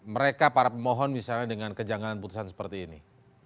mereka para pemohon misalnya dengan kejanggalan putusan seperti ini